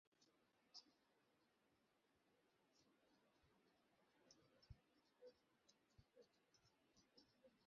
এই ভাষণে তিনি শান্তি রক্ষা করা ও দেশের শ্বেতাঙ্গ সংখ্যালঘু সম্প্রদায়ের সঙ্গে সম্প্রীতি বজায় রাখার জন্য আহবান জানান।